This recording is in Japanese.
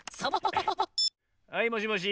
はいもしもし。